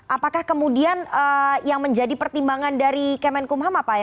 apakah kemudian yang menjadi pertimbangan dari kemenkumham apa ya